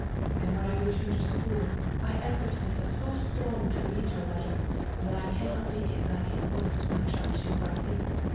And when I return at school I effort myself so strong to read your letter, that I cannot make like it must my chart geographic.